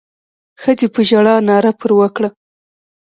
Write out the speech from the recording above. ښځې په ژړا ناره پر وکړه.